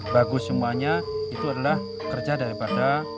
bagus semuanya itu adalah kerja daripada